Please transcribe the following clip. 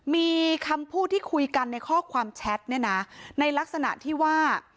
มีคำพูดที่คุยกันในข้อความแชทเนี่ยนะในลักษณะที่ว่า